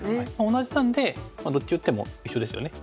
同じなんでどっち打っても一緒ですよね。